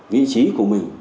vị trí của mình